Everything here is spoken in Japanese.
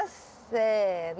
せの。